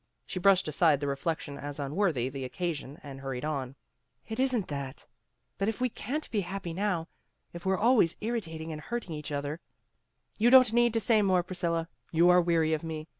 She brushed aside the reflection as unworthy the occasion and hurried on, "It isn't that. But if we can't be happy now, if we're always irritating and hurting each other " "You don't need to say more, Priscilla. You are weary of me.